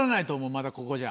まだここじゃ。